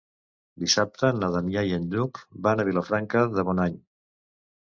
Dissabte na Damià i en Lluc van a Vilafranca de Bonany.